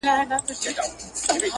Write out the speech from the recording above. كلي كي ملا سومه ،چي ستا سومه.